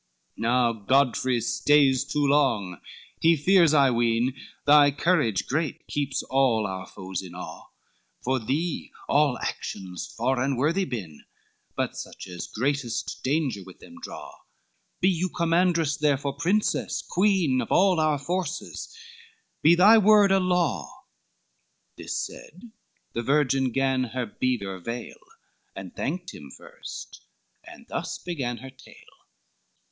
XLVIII "Now, Godfrey stays too long; he fears, I ween; Thy courage great keeps all our foes in awe; For thee all actions far unworthy been, But such as greatest danger with them draw: Be you commandress therefore, Princess, Queen Of all our forces: be thy word a law." This said, the virgin gan her beaver vail, And thanked him first, and thus began her tale.